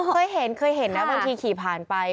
เผื่อเห็นนะครับบางทีขี่ผ่านไป